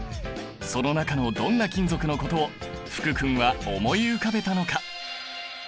その中のどんな金属のことを福君は思い浮かべたのか。